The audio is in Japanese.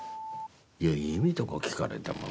いや意味とか聞かれてもさあ。